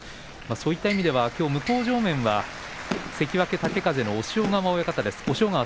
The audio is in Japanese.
そういった意味では向正面は関脇豪風の押尾川親方です。